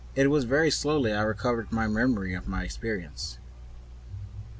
It was very slowly I recovered the memory of my experience.